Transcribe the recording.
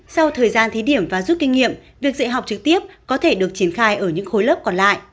sau thời gian thí điểm và rút kinh nghiệm việc dạy học trực tiếp có thể được triển khai ở những khối lớp còn lại